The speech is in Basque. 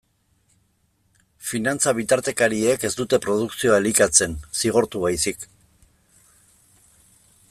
Finantza-bitartekariek ez dute produkzioa elikatzen, zigortu baizik.